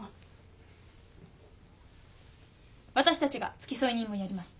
私たちが付添人もやります。